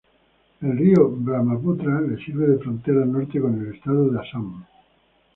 El río Brahmaputra le sirve de frontera norte con el estado de Assam.